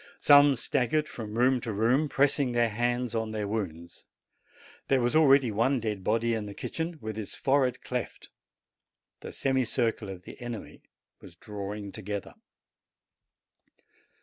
Some staggered from room to room, pressing their hands on their wounds. There was already one dead body in the kitchen, with its fore head cleft. The semicircle of the enemy was drawing together.